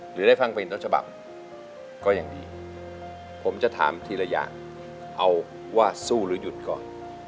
หรือได้ฟังฟะอินตรชบับก็อย่างดีผมจะถามทีระยะเอาว่าสู้หรือยุดก่อน